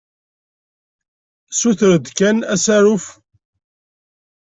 Ssuter-d kan asaruf.